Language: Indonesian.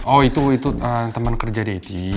oh itu teman kerja deti